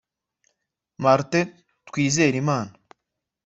Martin Twizerimana